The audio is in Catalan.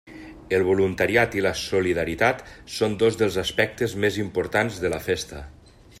El voluntariat i la solidaritat són dos dels aspectes més importants de la festa.